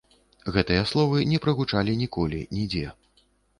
Гэтыя словы не прагучалі ніколі, нідзе.